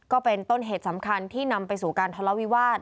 ก็เป็นต้นเหตุสำคัญที่นำไปสู่การทะเลาวิวาส